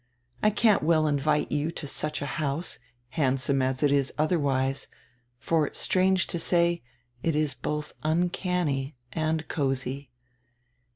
I can't well invite you to such a house, handsome as it is otherwise, for, strange to say, it is both uncanny and cozy.